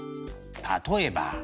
例えば。